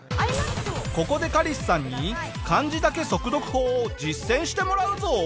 ここでカリスさんに漢字だけ速読法を実践してもらうぞ！